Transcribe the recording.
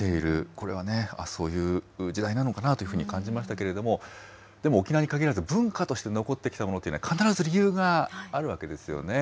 これはそういう時代なのかなというふうに感じましたけれども、でも沖縄に限らず、文化として残ってきたものというのは、必ず理由があるわけですよね。